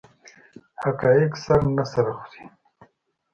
حقایق سر نه سره خوري.